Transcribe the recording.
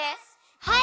はい！